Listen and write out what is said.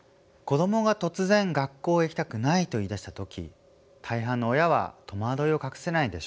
子どもが突然学校へ行きたくないと言いだした時大半の親は戸惑いを隠せないでしょう。